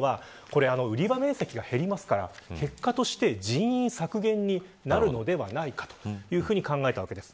売り場面積が減りますから結果として人員削減になるのではないかと考えたわけです。